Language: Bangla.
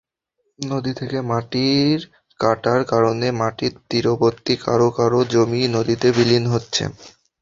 নদী থেকে মাটির কাটার কারণে নদীর তীরবর্তী কারও কারও জমি নদীতে বিলীন হচ্ছে।